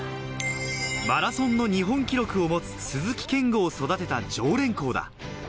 マラソンの日本記録を持つ鈴木健吾を育てた常連校だ。